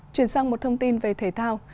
chuyển sang một thông tin về thể thao